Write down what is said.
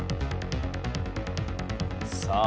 さあ